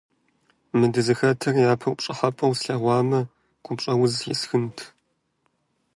Мы дызыхэтыр япэм пщӀыхьэпӀэу слъэгъуамэ, гупщӀэуз исхынт.